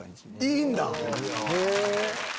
いいんだ！